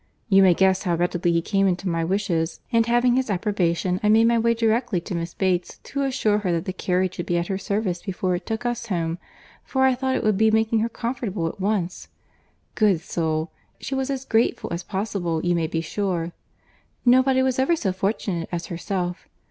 You may guess how readily he came into my wishes; and having his approbation, I made my way directly to Miss Bates, to assure her that the carriage would be at her service before it took us home; for I thought it would be making her comfortable at once. Good soul! she was as grateful as possible, you may be sure. 'Nobody was ever so fortunate as herself!